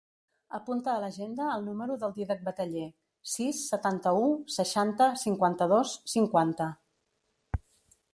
Apunta a l'agenda el número del Dídac Bataller: sis, setanta-u, seixanta, cinquanta-dos, cinquanta.